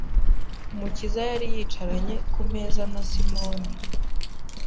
Umukiza yari yicaranye ku meza na Simoni